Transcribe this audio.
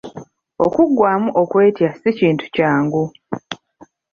Okuggwaamu okwetya si Kintu kyangu.